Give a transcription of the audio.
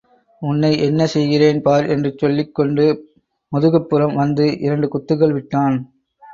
உன்னை என்ன செய்கிறேன் பார் என்று சொல்லிக் கொண்டு முதுகுப் புறம் வந்து இரண்டு குத்துகள் விட்டான்.